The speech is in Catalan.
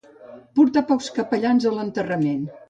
Portar pocs capellans a l'enterrament.